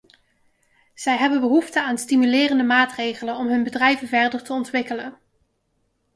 Zij hebben behoefte aan stimulerende maatregelen om hun bedrijven verder te ontwikkelen.